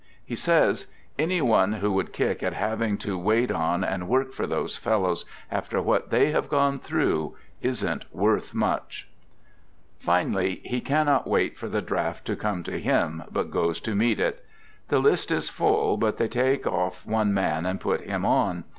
He says: " Any one who would kick at having to wait on and work for those fellows, after what they have gone through, isn't worth much." — Henry V. ioo "THE GOOD SOLDIER" 101 Finally, he cannot wait for the draft to come to him but goes to meet it. The list is full, but they take off one man and put him on.